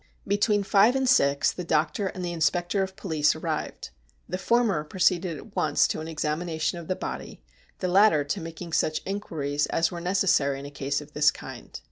Between five and six the doctor and the inspector of police arrived. The former proceeded at once to an examination ol the body, the latter to making such inquiries as were necessary in a case of this kind.